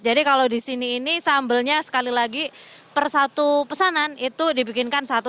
jadi kalau di sini ini sambelnya sekali lagi per satu pesanan itu dibikinkan satu